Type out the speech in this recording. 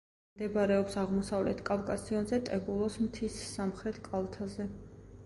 მდებარეობს აღმოსავლეთ კავკასიონზე, ტებულოს მთის სამხრეთ კალთაზე.